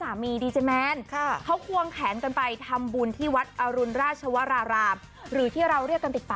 โอ้โหผู้ชมหัวแต่ว่างานนี้สงสัยว่ากลัวจะดังไม่พอ